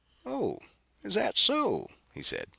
"Oh, is that so?" he said.